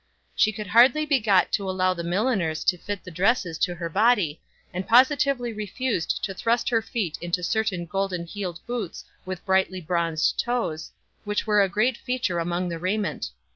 She could hardly be got to allow the milliners to fit the dresses to her body, and positively refused to thrust her feet into certain golden heeled boots with brightly bronzed toes, which were a great feature among the raiment.